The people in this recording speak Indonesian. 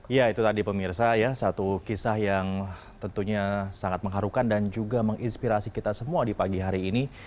ya itu tadi pemirsa ya satu kisah yang tentunya sangat mengharukan dan juga menginspirasi kita semua di pagi hari ini